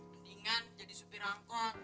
mendingan jadi supir angkot